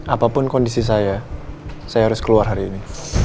apapun kondisi saya saya harus keluar hari ini